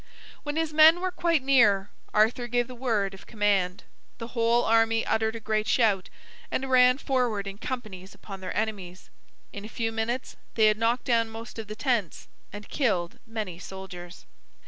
When his men were quite near, Arthur gave the word of command. The whole army uttered a great shout, and ran forward in companies upon their enemies. In a few minutes they had knocked down most of the tents, and killed many soldiers.